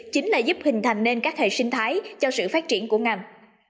chính là giúp hình thành nên các hệ sinh thái cho sự phát triển của ngành